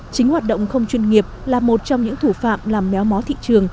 chính hoạt động không chuyên nghiệp là một trong những thủ phạm làm méo mó thị trường